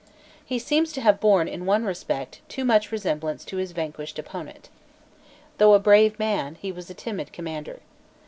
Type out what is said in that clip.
He seems to have borne, in one respect, too much resemblance to his vanquished opponent. Though a brave man, he was a timid commander.